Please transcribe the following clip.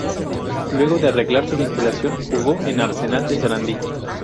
Luego de arreglar su vinculación, jugó en Arsenal de Sarandí.